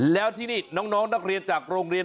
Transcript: แล้วที่นี่น้องนักเรียนจากโรงเรียน